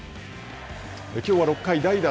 きょうは６回代打